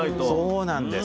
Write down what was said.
そうなんです。